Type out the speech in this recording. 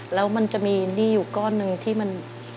แล้วมันจะมีหนี้อยู่ก้อนหนึ่งที่มัน